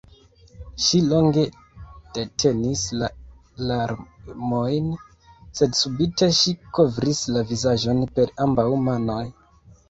Ŝi longe detenis la larmojn, sed subite ŝi kovris la vizaĝon per ambaŭ manoj.